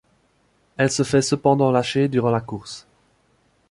Elle se fait cependant lâchée durant la course.